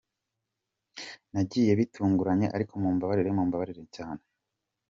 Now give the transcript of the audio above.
Nagiye bitunguranye ariko mumbabarire, mumbabarire cyane.